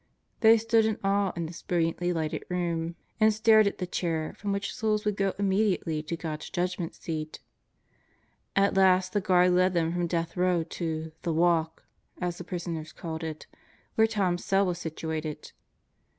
They stood in awe in this brilliantly lighted room and stared at the chair from which souls would go immediately to God's Judgment Seat. At last the guard led them from Death Row to "the walk,' 7 as the prisoners called it, where Tom's cell was situated.